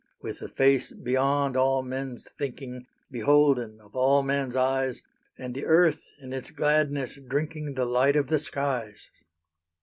With the Face beyond all men's thinking, Beholden of all men's eyes; And the earth in its gladness drinking The light of the skies.